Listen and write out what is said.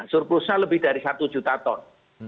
surplusnya lebih dari satu juta ton